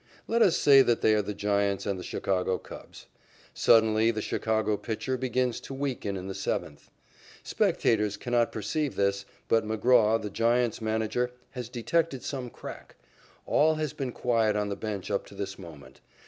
Let us say that they are the Giants and the Chicago Cubs. Suddenly the Chicago pitcher begins to weaken in the seventh. Spectators cannot perceive this, but McGraw, the Giants' manager, has detected some crack. All has been quiet on the bench up to this moment.